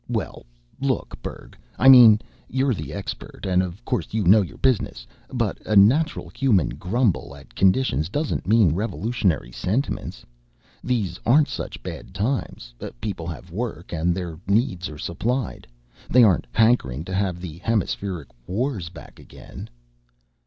Well, look, Berg I mean, you're the expert and of course you know your business, but a natural human grumble at conditions doesn't mean revolutionary sentiments. These aren't such bad times. People have work, and their needs are supplied. They aren't hankering to have the Hemispheric Wars back again."